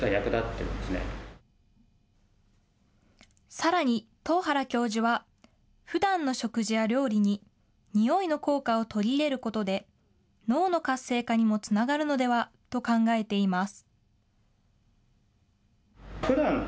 さらに、東原教授は、ふだんの食事や料理に匂いの効果を取り入れることで、脳の活性化にもつながるのではと考えています。